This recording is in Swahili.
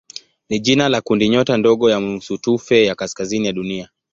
ni jina la kundinyota ndogo ya nusutufe ya kaskazini ya Dunia.